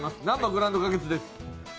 なんばグランド花月です。